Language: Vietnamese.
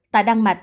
tại đan mạch